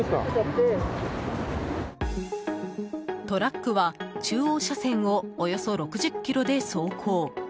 トラックは、中央車線をおよそ６０キロで走行。